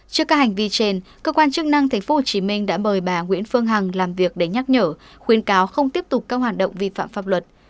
trước các hành vi trên cơ quan chức năng tp hcm đã mời bà nguyễn phương hằng làm việc để nhắc nhở khuyến cáo không tiếp tục các hoạt động vi phạm pháp luật